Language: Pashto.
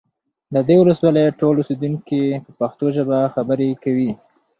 د دې ولسوالۍ ټول اوسیدونکي په پښتو ژبه خبرې کوي